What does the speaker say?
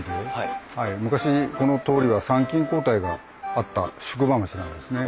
昔この通りは参勤交代があった宿場町なんですね。